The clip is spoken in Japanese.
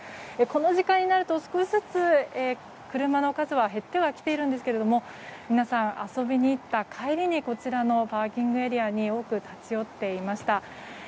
この時間になると、少しずつ車の数は減ってはきているんですけれども皆さん、遊びに行った帰りにこちらのパーキングエリアに多く立ち寄っていました。